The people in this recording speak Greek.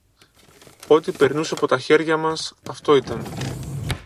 Ό,τι περνούσε από τα χέρια μας, αυτό ήταν